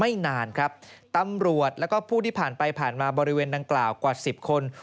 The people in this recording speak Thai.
นานครับตำรวจแล้วก็ผู้ที่ผ่านไปผ่านมาบริเวณดังกล่าวกว่าสิบคน